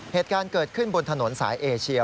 เหตุการณ์เกิดขึ้นบนถนนสายเอเชีย